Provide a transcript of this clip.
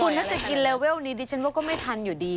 คุณถ้าจะกินเลเวลนี้ดิฉันว่าก็ไม่ทันอยู่ดี